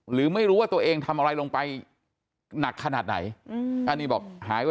หรือไม่รู้ว่าตัวเองทำอะไรลงไปหนักขนาดไหนอันนี้บอกหายไป